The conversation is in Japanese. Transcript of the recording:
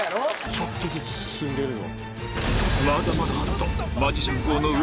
ちょっとずつ進んでるの。